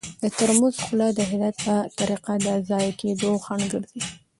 د ترموز خوله د هدایت په طریقه د ضایع کیدو خنډ ګرځي.